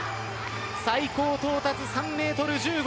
最高到達３ｍ１５。